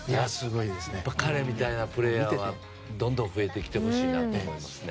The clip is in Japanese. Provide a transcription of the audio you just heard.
彼みたいなプレーヤーはどんどん増えてきてほしいなと思いますね。